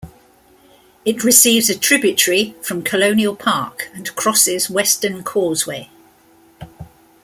It receives a tributary from Colonial Park and crosses Weston Causeway.